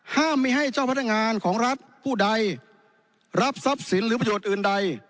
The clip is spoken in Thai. ห้ามไม่ให้เจ้าพนักงานของรัฐผู้ใดรับทรัพย์สินหรือประโยชน์อื่นใด